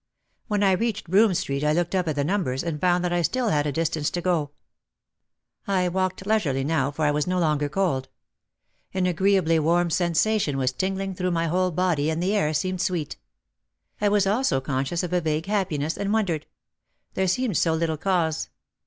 When I reached Broome Street I looked up at the numbers and found that I still had a distance to go. I walked leisurely now for I was no longer cold. An agree ably warm sensation was tingling through my whole body and the air seemed sweet. I was also conscious of a vague happiness and wondered. There seemed so little cause.